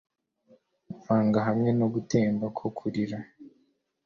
vanga hamwe no gutemba ko kurira